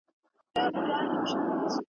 سره لبان یې د جنت آبِ کوثر دئ